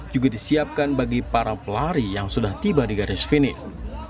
juga disiapkan bagi para pelari yang sudah tiba di garis finish